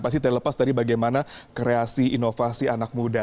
pasti terlepas dari bagaimana kreasi inovasi anak muda